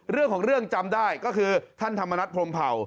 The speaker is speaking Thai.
เรื่องของเรื่องจำได้ก็คือท่านธรรมนัฐพรมเผ่า